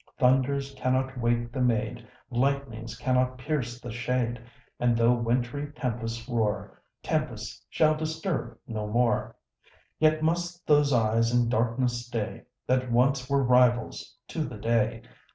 Thunders cannot wake the maid, Lightnings cannot pierce the shade, And tho' wintry tempests roar, Tempests shall disturb no more. Yet must those eyes in darkness stay, That once were rivals to the day?